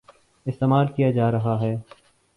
استعمال کیا جارہا ہے ۔